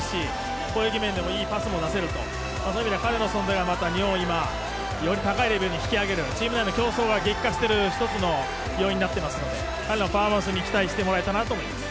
そういう意味では彼の存在が日本を今より高いレベルに引き上げる、チーム内の競争が激化している一つの要因になっていますので彼のパフォーマンスに期待してもらえたらなと思います